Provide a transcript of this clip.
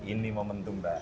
ini momentum mbak